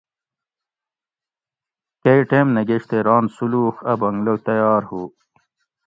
کئ ٹیم نہ گیش تے ران سُولوخ اۤ بنگلہ تیار ہُو